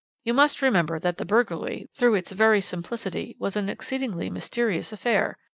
You must remember that the burglary, through its very simplicity, was an exceedingly mysterious affair.